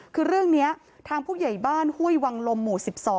คือเรื่องนี้ทางผู้ใหญ่บ้านห้วยวังลมหมู่๑๒